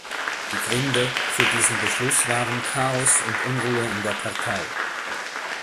Die Gründe für diesen Beschluss waren Chaos und Unruhe in der Partei.